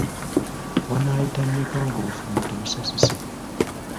Wannaayita mmeka ng'obufumbo tebusasise?